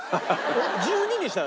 １２にしたら？